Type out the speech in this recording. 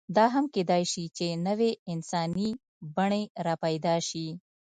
دا هم کېدی شي، چې نوې انساني بڼې راپیدا شي.